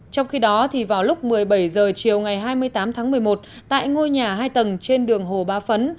trong khi đó vào lúc một mươi bảy h chiều ngày hai mươi tám tháng một mươi một tại ngôi nhà hai tầng trên đường hồ ba phấn